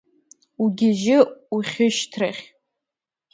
Угьежьы ухьышьҭрахь…